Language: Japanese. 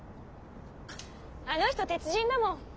あの人鉄人だもん。